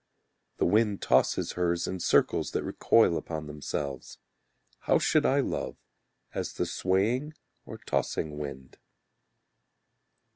The wind tosses hers In circles That recoil upon themselves: How should I love as the swaying or tossing wind?